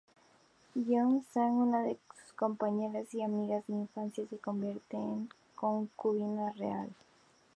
Yeon-sang, una de sus compañeras y amigas de infancia, se convierte en concubina real.